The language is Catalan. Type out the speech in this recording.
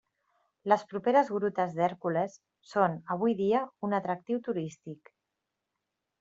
Les properes grutes d'Hèrcules són avui dia un atractiu turístic.